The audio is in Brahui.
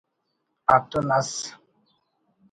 اتون ئس